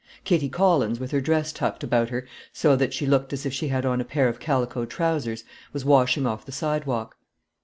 Kitty Collins, with her dress tucked about her so that she looked as if she had on a pair of calico trousers, was washing off the sidewalk.